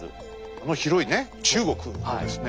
あの広いね中国をですね